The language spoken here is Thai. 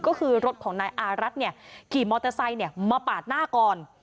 ก็คือรถของนายอารัฐขี่มอเตอร์ไซค์มาปาดหน้าก่อน